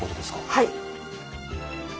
はい。